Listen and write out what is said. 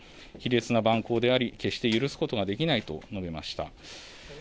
卑劣な蛮行であり、決して許すことができないと述べました。